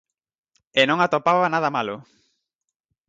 E non atopaba nada malo.